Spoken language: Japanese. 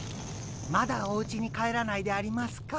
まだおうちに帰らないでありますか？